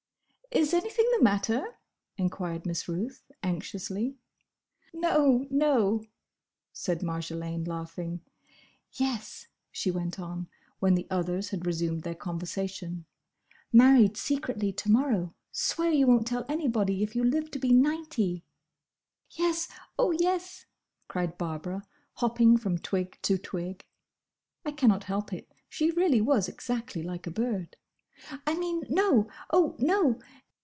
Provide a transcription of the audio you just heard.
"Is anything the matter?" enquired Miss Ruth, anxiously. "No, no!" said Marjolaine, laughing. "Yes," she went on, when the others had resumed their conversation, "married secretly to morrow. Swear you won't tell anybody if you live to be ninety!" "Yes! oh, yes!" cried Barbara, hopping from twig to twig. (I cannot help it: she really was exactly like a bird!) "I mean, No! oh, no!"